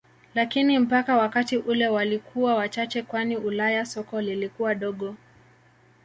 Lakini mpaka wakati ule walikuwa wachache kwani Ulaya soko lilikuwa dogo.